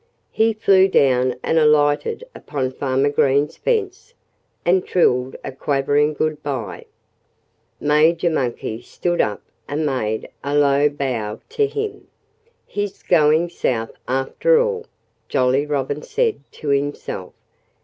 He flew down and alighted upon Farmer Greene's fence and trilled a quavering good by. Major Monkey stood up and made a low bow to him. "He's going South, after all!" Jolly Robin said to himself.